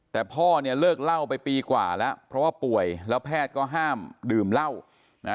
แต่พ่อเนี่ยเลิกเล่าไปปีกว่าแล้วเพราะว่าป่วยแล้วแพทย์ก็ห้ามดื่มเหล้านะ